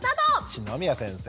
篠宮先生。